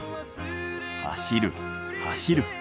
走る走る。